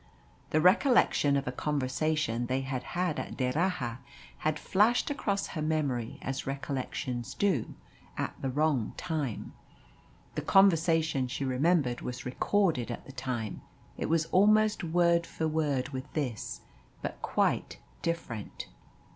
The recollection of a conversation they had had at D'Erraha had flashed across her memory, as recollections do at the wrong time. The conversation she remembered was recorded at the time it was almost word for word with this, but quite different.